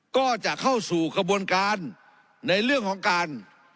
ก็จะเข้าสู่กระบวนการในเรื่องของการ